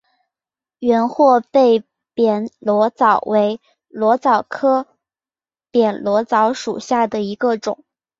圆货贝扁裸藻为裸藻科扁裸藻属下的一个种。